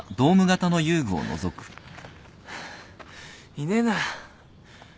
いねえな。